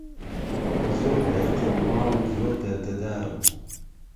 زۆر لێ قهوماو و زۆر دهردهدارم